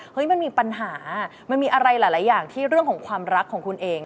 มันมีปัญหามันมีอะไรหลายอย่างที่เรื่องของความรักของคุณเอง